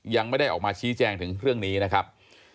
ยังไม่ได้ออกมาชี้แจงถึงเรื่องนี้นะครับ